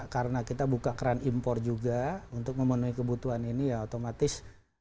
karena kita buka keran impor juga untuk memenuhi kebutuhan ini ya otomatis